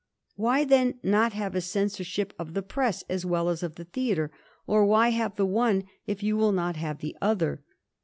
Why then not have a censorship of the press as well as of the theatre, or why have the one if you will not have the other